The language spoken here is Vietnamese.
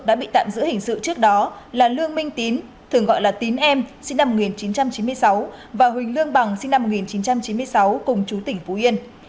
đã bị tạm giữ hình sự trước đó là lương minh tín thường gọi là tín em sinh năm một nghìn chín trăm chín mươi sáu và huỳnh lương bằng sinh năm một nghìn chín trăm chín mươi sáu cùng chú tỉnh phú yên